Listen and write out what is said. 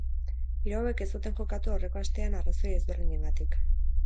Hiru hauek ez zuten jokatu aurreko astean arrazoi ezberdinengatik.